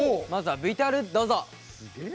まずはＶＴＲどうぞ。